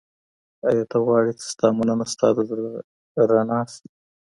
ایا ته غواړې چي ستا مننه ستا د زړه رڼا سي؟